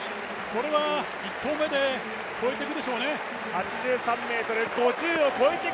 これは１投目で越えてくるでしょうね。